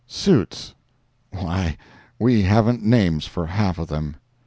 Suits—why we haven't names for half of them.